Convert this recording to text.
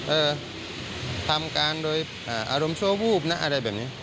เออทำการโดยอารมณ์ชั่ววูบนะอะไรแบบนี้